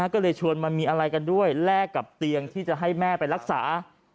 ก็เลยชวนมันมีอะไรกันด้วยแลกกับเตียงที่จะให้แม่ไปรักษา